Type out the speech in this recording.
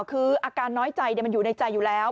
คืออาการน้อยใจมันอยู่ในใจอยู่แล้ว